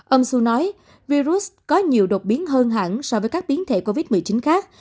ông su nói virus có nhiều đột biến hơn hẳn so với các biến thể covid một mươi chín khác